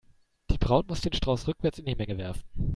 Die Braut muss den Strauß rückwärts in die Menge werfen.